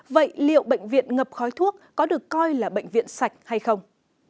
vậy liệu bệnh viện ngập khói thuốc có được coi là bệnh viện sạch hay không